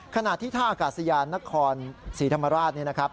ขณะที่ท่าอากาศยานนครศรีธรรมราชเนี่ยนะครับ